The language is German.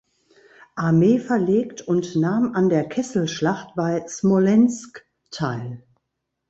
Armee verlegt und nahm an der Kesselschlacht bei Smolensk teil.